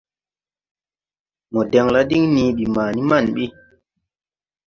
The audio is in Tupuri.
Mo dɛŋla diŋ nii ɓi ma ni man ɓi.